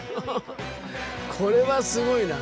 これはすごいな。